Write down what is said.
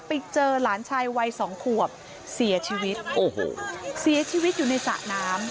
ไปเจอหลานชายวัยสองขวบเสียชีวิตโอ้โหเสียชีวิตอยู่ในสระน้ำ